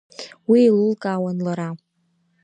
Уи еилылкаауан лара.